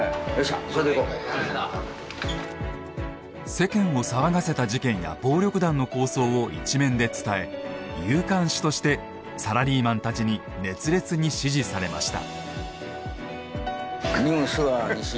世間を騒がせた事件や暴力団の抗争を一面で伝え夕刊紙としてサラリーマンたちに熱烈に支持されました。